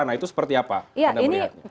nah itu seperti apa anda melihatnya